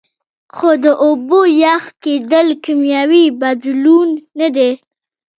خو د اوبو یخ کیدل کیمیاوي بدلون نه دی